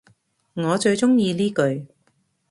我最鍾意呢句